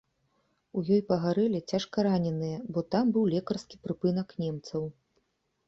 У ёй пагарэлі цяжкараненыя, бо там быў лекарскі прыпынак немцаў.